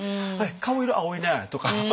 「顔色青いね！」とか。